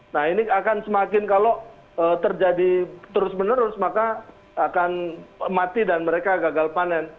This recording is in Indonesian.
nah ini akan semakin kalau terjadi terus menerus maka akan mati dan mereka gagal panen